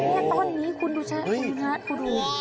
โอ้โฮตอนนี้คุณดูน่ะคุณดู